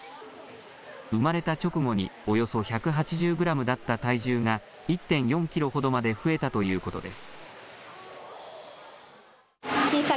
生まれた直後におよそ１８０グラムだった体重が１．４キロほどまで増えたということです。